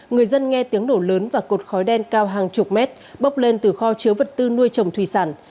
người dân nghe tiếng nổ lớn và cột khói đen cao hàng chục mét bốc lên từ kho chứa vật tư nuôi trồng thủy sản